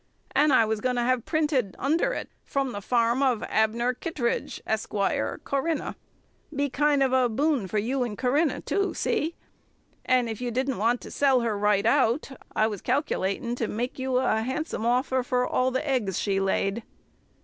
"And I was going to have printed under it, 'From the farm of Abner Kittredge, Esq., Corinna.' Be kind of a boom for you 'n' Corinna, too see? And if you didn't want to sell her right out, I was calc'latin' to make you a handsome offer for all the eggs she laid."